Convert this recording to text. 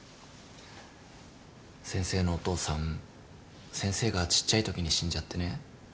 先生のお父さん先生がちっちゃいときに死んじゃってね。